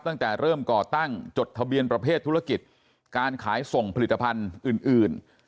ตั้งแต่เริ่มก่อตั้งจดทะเบียนประเภทธุรกิจการขายส่งผลิตภัณฑ์อื่น